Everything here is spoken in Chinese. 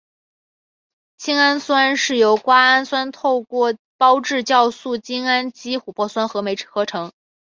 精氨酸是由瓜氨酸透过胞质酵素精氨基琥珀酸合酶合成。